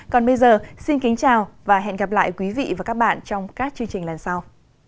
còn bây giờ xin kính chào và hẹn gặp lại quý vị và các bạn trong các chương trình lần sau